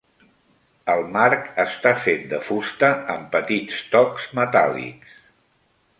El marc està fet de fusta amb petits tocs metàl·lics.